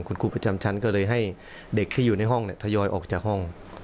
คุณครูประจำชั้นก็เลยให้เด็กที่อยู่ในห้องทยอยออกจากห้อง